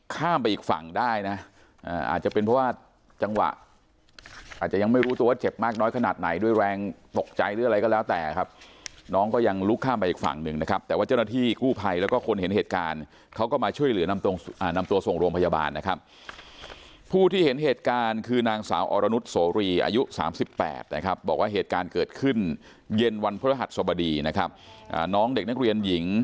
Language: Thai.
ข้ามไปอีกฝั่งได้นะอาจจะเป็นเพราะว่าจังหวะอาจจะยังไม่รู้ตัวเจ็บมากน้อยขนาดไหนด้วยแรงปกใจหรืออะไรก็แล้วแต่ครับน้องก็ยังลุกข้ามไปอีกฝั่งหนึ่งนะครับแต่ว่าเจ้าหน้าที่กู้ภัยแล้วก็คนเห็นเหตุการณ์เขาก็มาช่วยเหลือนำตัวนำตัวส่งโรงพยาบาลนะครับผู้ที่เห็นเหตุการณ์คือนางสาวอรนุสโสรีอาย